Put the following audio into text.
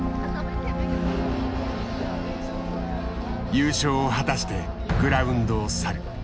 「優勝を果たしてグラウンドを去る」。